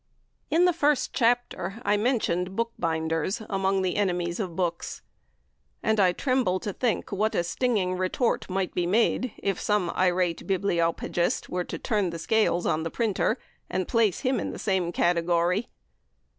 IN the first chapter I mentioned bookbinders among the Enemies of Books, and I tremble to think what a stinging retort might be made if some irate bibliopegist were to turn the scales on the printer, and place HIM in the same category.